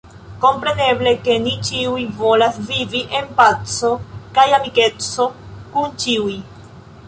Kompreneble, ke ni ĉiuj volas vivi en paco kaj amikeco kun ĉiuj.